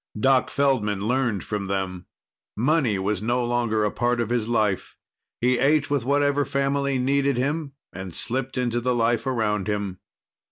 Doc Feldman learned from them. Money was no longer part of his life. He ate with whatever family needed him and slipped into the life around him.